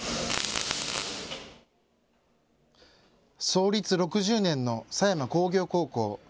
創立６０年の狭山工業高校。